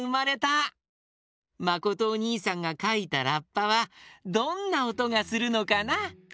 まことおにいさんがかいたラッパはどんなおとがするのかな？